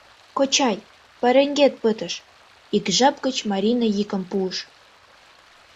— Кочай, пареҥгет пытыш, — ик жап гыч Марина йӱкым пуыш.